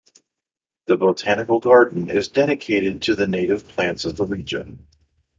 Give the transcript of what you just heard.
The botanical garden is dedicated to the native plants of the region.